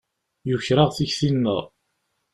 Yuker-aɣ tikti-nneɣ.